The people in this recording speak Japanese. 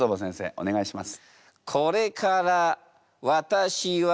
お願いします。